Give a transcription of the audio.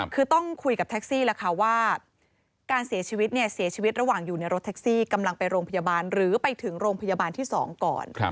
คือต้องคุยกับแท็กซี่แล้วค่ะว่าการเสียชีวิตเนี่ยเสียชีวิตเสียชีวิตระหว่างอยู่ในรถแท็กซี่กำลังไปโรงพยาบาลหรือไปถึงโรงพยาบาลที่๒ก่อน